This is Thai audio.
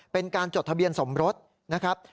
เป็นการจดทะเบียนสมรสนะครับ